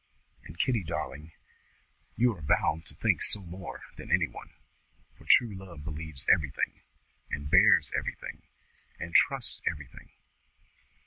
And, Kitty darling, you are bound to think so more than any one, for true love believes everything, and bears everything, and trusts everything.